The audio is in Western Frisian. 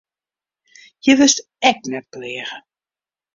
Hjir wurdst ek net pleage.